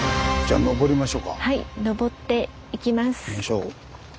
はい上っていきます。